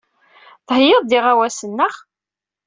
Theyyaḍ-d iɣawasen, naɣ?